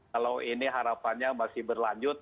kalau ini harapannya masih berlanjut